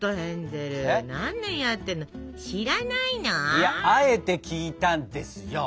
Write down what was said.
いやあえて聞いたんですよ。